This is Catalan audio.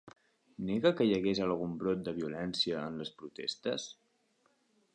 Nega que hi hagués algun brot de violència en les protestes?